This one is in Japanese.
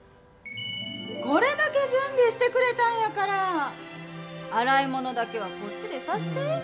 これだけ準備してくれたんやから洗い物だけはこっちでさせて。